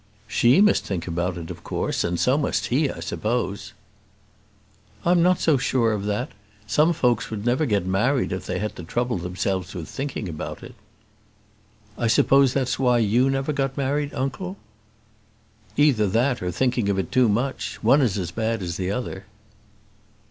"She must think about it, of course; and so must he, I suppose." "I'm not so sure of that. Some folks would never get married if they had to trouble themselves with thinking about it." "I suppose that's why you never got married, uncle?" "Either that, or thinking of it too much. One is as bad as the other."